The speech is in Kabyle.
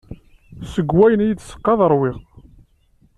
Seg wayen i yi-d teseqqaḍ ṛwiɣ.